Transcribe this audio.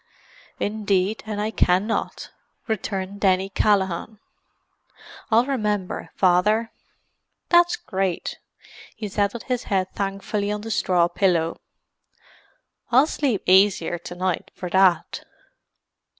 "Indeed and I cannot," returned Denny Callaghan. "I'll remember, Father. That's great!" He settled his head thankfully on the straw pillow. "I'll sleep aisier to night for that."